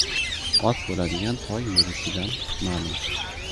• Ot bo‘ladigan toy yurishidan ma’lum.